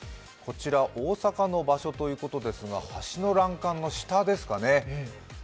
大阪の場所ということですが、橋の欄干の下ですかね。